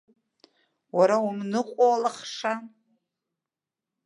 Уара умныҟәо алахша!